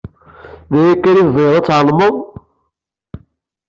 D aya kan i tebɣiḍ ad tɛelmeḍ?